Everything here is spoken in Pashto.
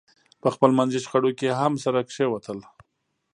په خپلمنځي شخړو کې هم سره کېوتل.